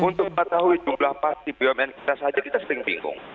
untuk mengetahui jumlah pasti bumn kita saja kita sering bingung